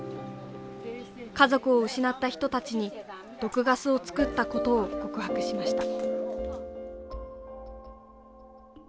家族を失った人たちに毒ガスを作ったことを告白しました。